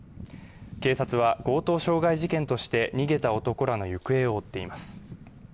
警察は強盗傷害事件として逃げた男らの行方を追っています